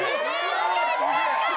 近い近い近い！